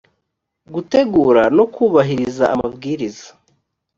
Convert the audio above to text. gutegura no kubahiriza amabwiriza